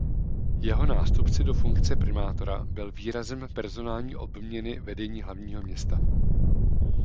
Jeho nástup do funkce primátora byl výrazem personální obměny vedení hlavního města.